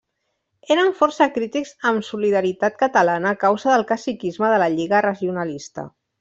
Eren força crítics amb Solidaritat Catalana a causa del caciquisme de la Lliga Regionalista.